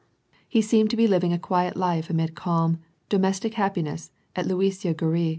He seemed to be living a quiet life amid calm, domestic happiness at Luisiya Gorui.